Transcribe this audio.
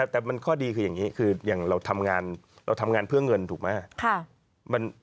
แต่มันข้อดีคืออย่างนี้คืออย่างเราทำงานเราทำงานเพื่อเงินถูกไหม